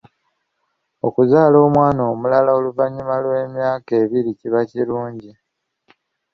Okuzaala omwana omulala oluvannyuma lw'emyaka ebiri kiba kilungi.